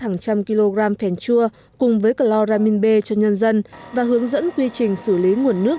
hàng trăm kg phèn chua cùng với chloramin b cho nhân dân và hướng dẫn quy trình xử lý nguồn nước